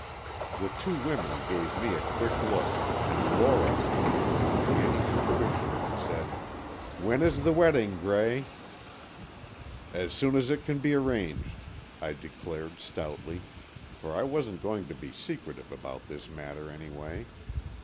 The two women gave me a quick look, and Lora, with her uncanny intuition, said: "When is the wedding, Gray?" "As soon as it can be arranged," I declared, stoutly, for I wasn't going to be secretive about this matter, anyway.